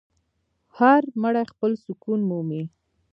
هر مړی خپل سکون مومي.